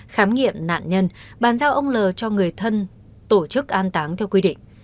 khám nghiệm nạn nhân bàn giao ông l cho người thân tổ chức an táng theo quy định